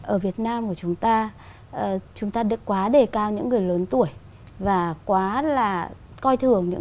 ở việt nam của chúng ta chúng ta được quá đề cao những người lớn tuổi và quá là coi thường những